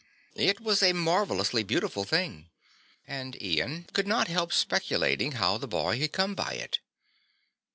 It was a marvellously beautiful thing and Ian could not help speculating how the boy had come by it.